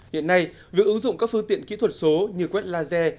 hiện nay việc ứng dụng các phương tiện kỹ thuật số như quét laser